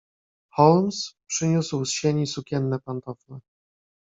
"Holmes przyniósł z sieni sukienne pantofle."